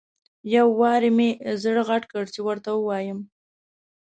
یو وارې مې زړه غټ کړ چې ورته ووایم.